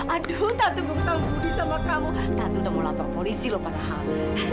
aduh tante bang tampudi sama kamu tante udah mau lapor polisi loh padahal